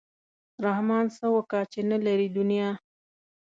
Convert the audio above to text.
رحمان څه وکا چې نه لري دنیا.